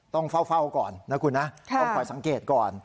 ต้องเฝ้าก่อนนะคุณนะต้องคอยสังเกตก่อน